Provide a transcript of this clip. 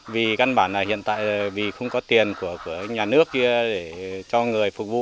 vì căn bản là hiện tại vì không có tiền của nhà nước kia cho người phục vụ